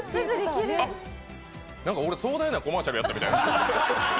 あっ、俺、壮大なコマーシャルやったみたい。